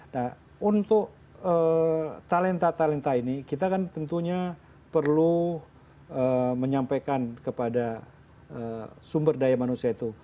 nah untuk talenta talenta ini kita kan tentunya perlu menyampaikan kepada sumber daya manusia itu